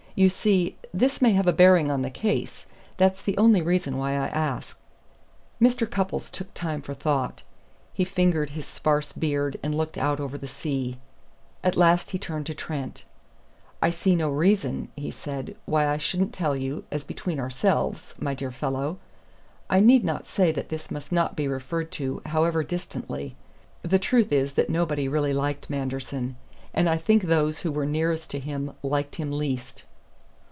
You see, this may have a bearing on the case; that's the only reason why I ask." Mr. Cupples took time for thought. He fingered his sparse beard and looked out over the sea. At last he turned to Trent. "I see no reason," he said, "why I shouldn't tell you as between ourselves, my dear fellow. I need not say that this must not be referred to, however distantly. The truth is that nobody really liked Manderson; and I think those who were nearest to him liked him least."